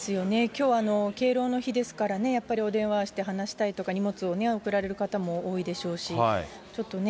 きょう、敬老の日ですからね、やっぱりお電話して話したいとか、荷物を送られる方も多いでしょうし。